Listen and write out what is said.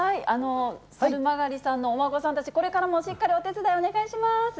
藤曲さんのお孫さんたち、これからもしっかりお手伝い、お願いします。